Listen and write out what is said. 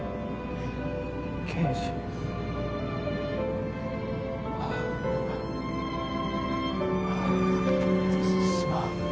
刑事あっすまん